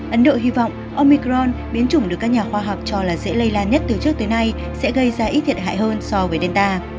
ấn độ hy vọng omicron biến chủng được các nhà khoa học cho là dễ lây lan nhất từ trước tới nay sẽ gây ra ít thiệt hại hơn so với delta